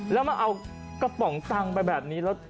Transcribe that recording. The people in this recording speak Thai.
แล้วมาเอากระป๋องตังไปแบบนี้แล้ว